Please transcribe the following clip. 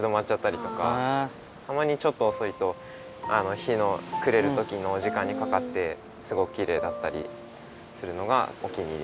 たまにちょっとおそいと日の暮れるときの時間にかかってすごくきれいだったりするのがお気に入りの場所です